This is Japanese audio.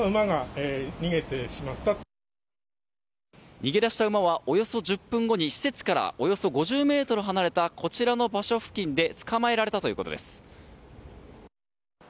逃げ出した馬はおよそ１０分後施設からおよそ５０ｍ離れたこちらの場所付近で捕まえられらということです。